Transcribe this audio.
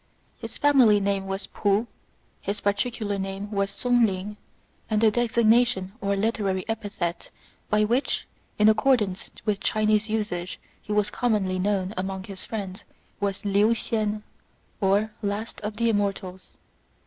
His family name was P'u ; his particular name was Sung ling ; and the designation or literary epithet by which, in accordance with Chinese usage, he was commonly known among his friends, was Liu hsien, or " Last of the Immortals."